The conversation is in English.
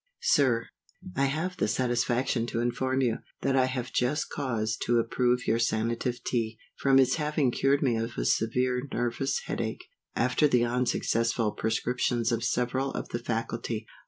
SIR, I have the satisfaction to inform you, that I have just cause to approve your Sanative Tea, from its having cured me of a severe nervous head ache, after the unsuccessful prescriptions of several of the faculty.